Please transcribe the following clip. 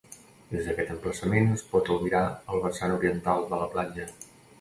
Des d'aquest emplaçament es pot albirar el vessant oriental de la platja.